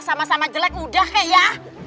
sama sama jelek udah kayaknya